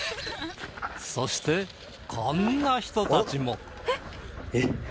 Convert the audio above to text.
そしてこんな人たちも